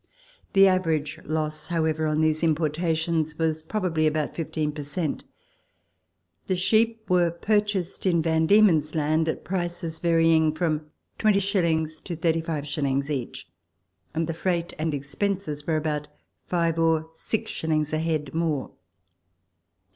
The average loss, however, on these im portations was probably about 15 per cent. The sheep were pur chased in Van Diemeu's Land at prices varying from 20s. to 35s. each, and the freight and expenses were about five or six shillings a head more.